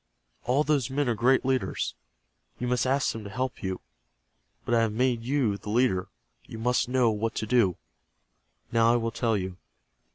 All those men are great leaders. You must ask them to help you. But I have made you the leader. You must know what to do. Now I will tell you.